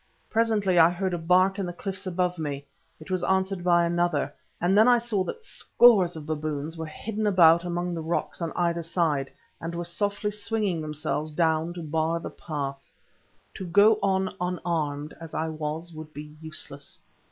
Presently I heard a bark in the cliffs above me; it was answered by another, and then I saw that scores of baboons were hidden about among the rocks on either side, and were softly swinging themselves down to bar the path. To go on unarmed as I was would be useless.